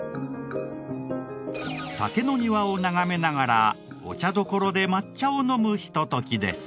竹の庭を眺めながらお茶所で抹茶を飲むひとときです。